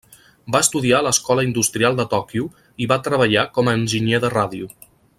Va estudiar a l'escola industrial de Tòquio i va treballar com a enginyer de ràdio.